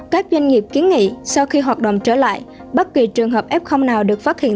các doanh nghiệp kiến nghị sau khi hoạt động trở lại bất kỳ trường hợp f nào được phát hiện